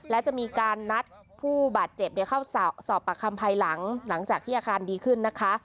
และจะมีการนัดผู้บาดเจ็บเข้าสอบปากคำภายหลังหลังจากที่อาการดีขึ้นนะคะ